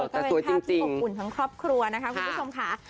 แต่สวยจริงก็เป็นภาพที่ปกปุ่นของครอบครัวนะคะคุณพี่สมขา